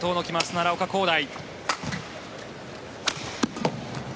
奈良岡功大。